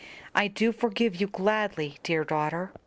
I do forgive you gladly, dear daughter."